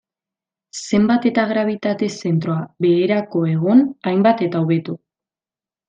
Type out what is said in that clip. Zenbat eta grabitate-zentroa beherako egon, hainbat eta hobeto.